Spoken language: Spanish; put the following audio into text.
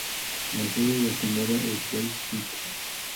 La sede del condado es Boise City.